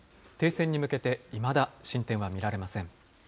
停戦に向けていまだ進展は見られません。